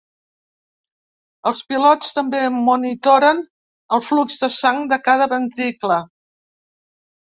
Els pilots també monitoren el flux de sang de cada ventricle.